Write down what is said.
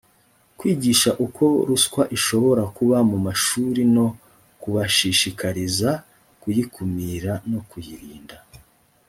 kwigisha uko ruswa ishobora kuba mu mashuri no kubashishikariza kuyikumira no kuyirinda